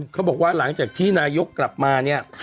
เขาบอกว่าหลังจากที่นายกกลับมาเนี่ย